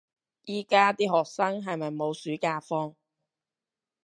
而家啲學生係咪冇暑假放